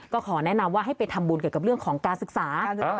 ก็ขอแนะนำว่าให้ไปทำบุญเกี่ยวกับเรื่องของการศึกษา